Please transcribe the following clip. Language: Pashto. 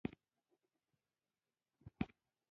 د مېز له پاسه پرتې لمبې لوګی کاوه.